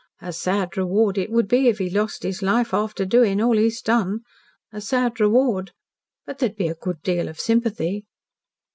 "A sad reward it would be if he lost his life after doing all he has done. A sad reward! But there'd be a good deal of sympathy."